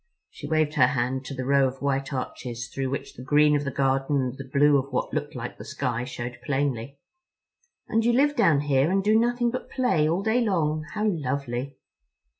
She waved her hand to the row of white arches through which the green of the garden and the blue of what looked like the sky showed plainly. "And you live down here and do nothing but play all day long? How lovely."